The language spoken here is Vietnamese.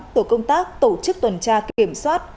tổ công tác tổ chức tuần tra kiểm soát